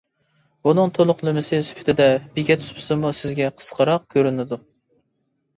بۇنىڭ تولۇقلىمىسى سۈپىتىدە، بېكەت سۇپىسىمۇ سىزگە قىسقىراق كۆرۈنىدۇ.